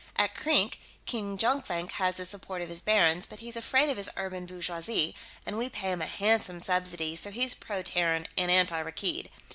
At Krink, King Jonkvank has the support of his barons, but he's afraid of his urban bourgeoisie, and we pay him a handsome subsidy, so he's pro Terran and anti Rakkeed.